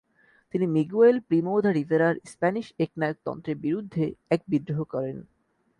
তিনি Miguel Primo de রিভেরার Spanish একনায়কতন্ত্রের বিরুদ্ধে এক বিদ্রোহ করেন।